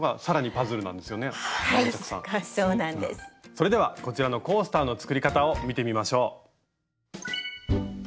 それではこちらのコースターの作り方を見てみましょう。